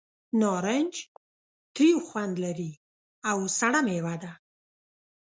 نارنج تریو خوند لري او سړه مېوه ده.